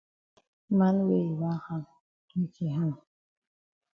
Man wey yi wan hang make yi hang.